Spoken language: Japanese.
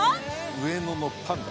上野のパンダ。